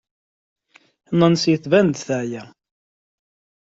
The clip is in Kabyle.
Nancy tettban-d teɛya.